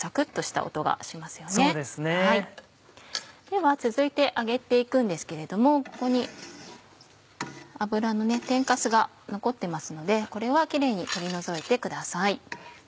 では続いて揚げて行くんですけれどもここに油の天かすが残ってますのでこれはキレイに取り除いてください。